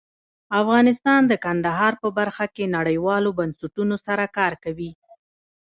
افغانستان د کندهار په برخه کې نړیوالو بنسټونو سره کار کوي.